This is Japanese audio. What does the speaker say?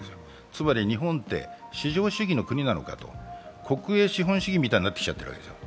つまり、日本は市場主義の国なのかと、国営資本主義みたいになってきているわけですよ。